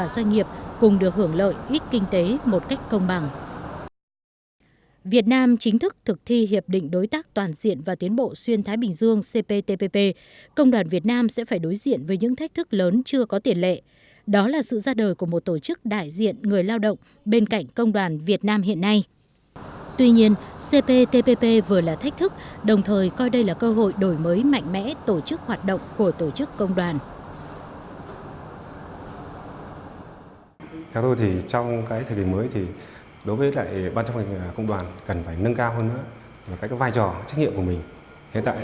tuy nhiên trong tiến trình chuẩn bị thực thi hiệp định toàn diện và tiến bộ xuyên thái bình dương cptpp mới đây nếu mỗi tổ chức công đoàn không tự thay đổi thì thách thức đó sẽ trở thành khó khăn khó giải quyết